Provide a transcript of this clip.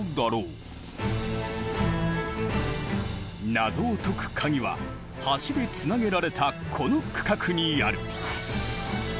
謎を解くカギは橋でつなげられたこの区画にある。